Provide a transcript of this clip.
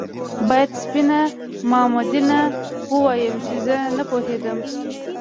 باید سپينه مامدينه ووايم چې زه نه پوهېدم